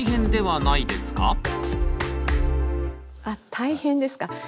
あっ大変ですか。